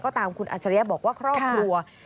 ตามคุณอัจฉริยะบอกว่าครอบครัว